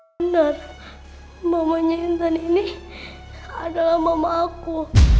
benar mamanya intan ini adalah mama aku